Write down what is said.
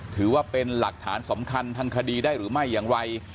ถือว่าเป็นหลักฐานสำคัญทางคดีได้หรือไม่อย่างไร